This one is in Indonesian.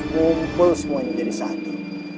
kumpul semuanya jadi satu